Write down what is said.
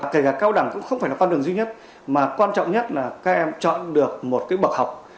kể cả cao đẳng cũng không phải là con đường duy nhất mà quan trọng nhất là các em chọn được một cái bậc học